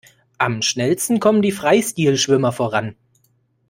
Am schnellsten kommen die Freistil-Schwimmer voran.